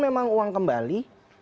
memang uang kembali